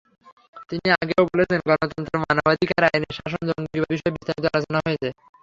তিনি আগেও বলেছেন, গণতন্ত্র, মানবাধিকার, আইনের শাসন, জঙ্গিবাদ বিষয়ে বিস্তারিত আলোচনা হয়েছে।